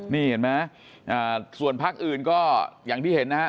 นี่เห็นไหมส่วนพักอื่นก็อย่างที่เห็นนะฮะ